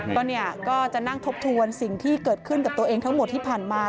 ก็เนี่ยก็จะนั่งทบทวนสิ่งที่เกิดขึ้นกับตัวเองทั้งหมดที่ผ่านมา